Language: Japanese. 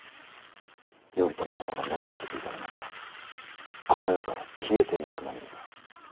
頼朝様が望まれていたものがこの世から消えてなくなるのだ。